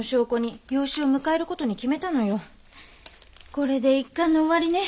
これで一巻の終わりね。